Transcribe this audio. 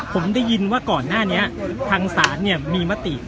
ผมได้ยินว่าก่อนหน้านี้ทางศาลมีมติ